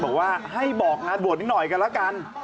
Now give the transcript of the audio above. บอกว่าให้บอกงานบวชนิดหน่อยกันแล้วกัน